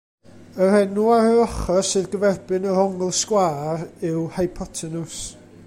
Yr enw ar yr ochr sydd gyferbyn yr ongl sgwâr yw hypotenws.